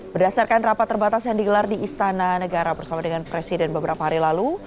berdasarkan rapat terbatas yang digelar di istana negara bersama dengan presiden beberapa hari lalu